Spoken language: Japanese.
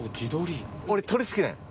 俺鶏好きなんよ！